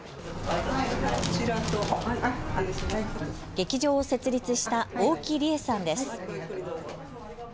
劇場を設立した大木梨恵さんです。